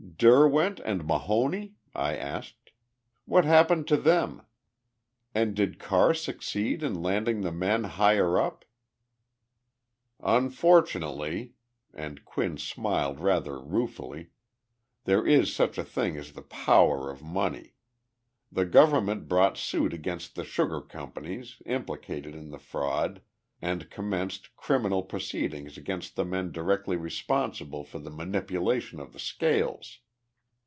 "Derwent and Mahoney?" I asked. "What happened to them? And did Carr succeed in landing the men higher up?" "Unfortunately," and Quinn smiled rather ruefully, "there is such a thing as the power of money. The government brought suit against the sugar companies implicated in the fraud and commenced criminal proceedings against the men directly responsible for the manipulation of the scales.